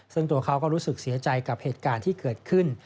ซึ่งตัวเขาก็รู้สึกเสียใจกับเหตุการณ์ที่เกิดขึ้น